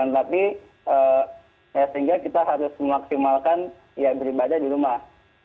tapi sehingga kita harus melaksimalkan ibadah di rumah